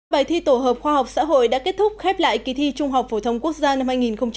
bài thi tổ hợp khoa học xã hội đã kết thúc khép lại kỳ thi trung học phổ thông quốc gia năm hai nghìn một mươi chín